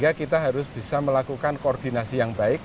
jadi kita harus bisa melakukan koordinasi yang baik